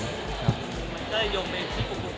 มันจะโยงไปที่กุคุทุวะ